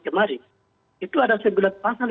kemarin itu ada sembilan pasal